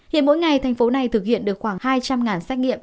hiện mỗi ngày thành phố này thực hiện được khoảng hai trăm linh xét nghiệm